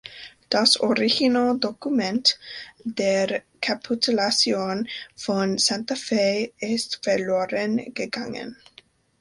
Das Originaldokument der Kapitulation von Santa Fe ist verloren gegangen.